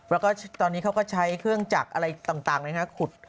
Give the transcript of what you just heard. แล้วก็ตอนนี้เขาก็ใช้เครื่องจักรอะไรต่างขุด